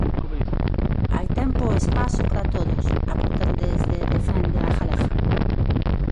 Hai tempo e espazo para todos, apuntan desde Defende a Galega.